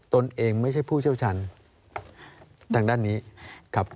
ตนเองไม่ใช่ผู้เชี่ยวชาญทางด้านนี้ครับ